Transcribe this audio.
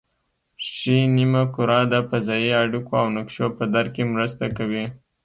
ښي نیمه کره د فضایي اړیکو او نقشو په درک کې مرسته کوي